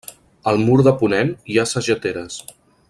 Al mur de ponent hi ha sageteres.